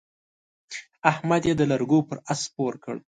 احمد يې د لرګو پر اس سپور کړ.